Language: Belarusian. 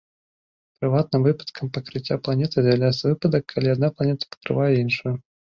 Прыватным выпадкам пакрыцця планетай з'яўляецца выпадак, калі адна планета пакрывае іншую.